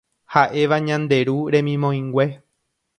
ha'éva Ñande Ru remimoĩngue